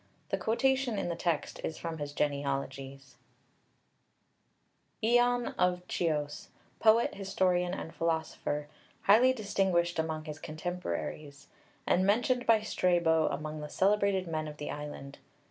The quotation in the text is from his genealogies (Lübker). ION of Chios, poet, historian, and philosopher, highly distinguished among his contemporaries, and mentioned by Strabo among the celebrated men of the island.